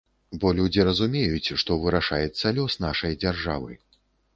Бо людзі разумеюць, што вырашаецца лёс нашай дзяржавы.